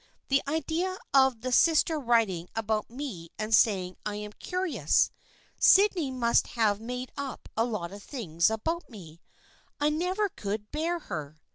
" The idea of the sister writing about me and saying I am curious ! Sydney must have made up a lot of things about me. I never could bear her."